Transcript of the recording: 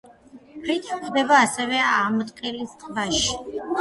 ფრიტა გვხვდება ასევე ამტყელის ტბაში.